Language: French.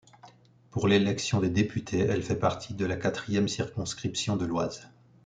Pour l'élection des députés, elle fait partie de la quatrième circonscription de l'Oise.